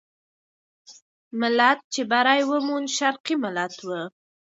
ملت چې بری وموند، شرقي ملت وو.